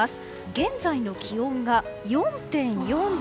現在の気温が４．４度。